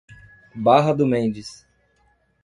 Barra do Mendes